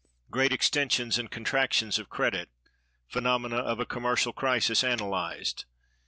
Great extensions and contractions of Credit. Phenomena of a commercial crisis analyzed.